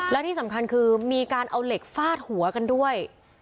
และที่สำคัญคือมีการเอาเหล็กฟาดหัวกันด้วย